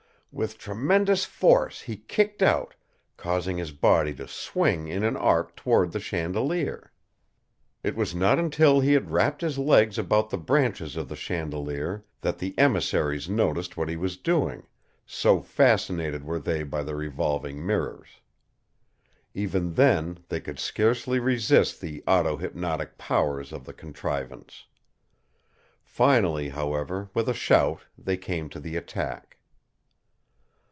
With tremendous force he kicked out, causing his body to swing in an arc toward the chandelier. It was not until he had wrapped his legs about the branches of the chandelier that the emissaries noticed what he was doing, so fascinated were they by the revolving mirrors. Even then they could scarcely resist the auto hypnotic powers of the contrivance. Finally, however, with a shout they came to the attack.